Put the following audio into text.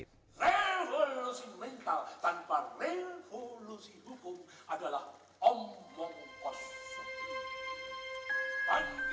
revolusi mental tanpa revolusi hukum adalah omong kosong